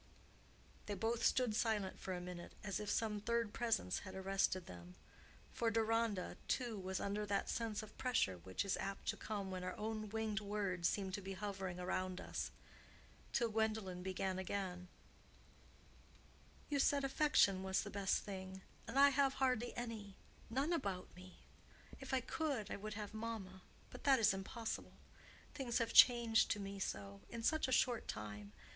They both stood silent for a minute, as if some third presence had arrested them,—for Deronda, too, was under that sense of pressure which is apt to come when our own winged words seem to be hovering around us,—till Gwendolen began again, "You said affection was the best thing, and I have hardly any—none about me. If I could, I would have mamma; but that is impossible. Things have changed to me so—in such a short time.